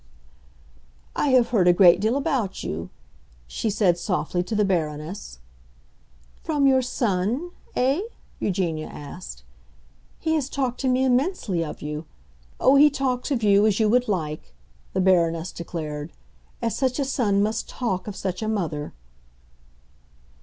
"I have heard a great deal about you," she said, softly, to the Baroness. "From your son, eh?" Eugenia asked. "He has talked to me immensely of you. Oh, he talks of you as you would like," the Baroness declared; "as such a son must talk of such a mother!"